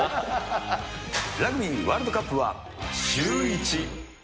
ラグビーワールドカップはシューイチ。